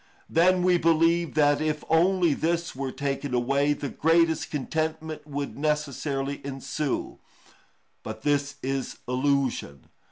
Then we believe that if only this were taken away, the greatest contentment would necessarily ensue. But this is illusion.